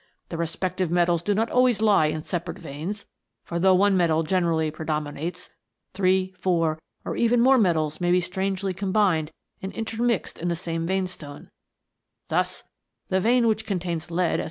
" The respective metals do not always lie in sepa rate veins, for though one metal generally predomi nates, three, four, or even more metals may be strangely combined and 'intermixed in the same veinstone ; thus, the vein which contains lead as THE GNOMES.